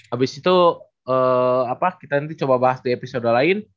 habis itu kita nanti coba bahas di episode lain